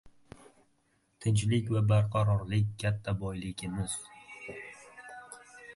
Tinchlik va barqarorlik – katta boyligimiz